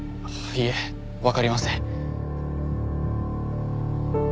いえわかりません。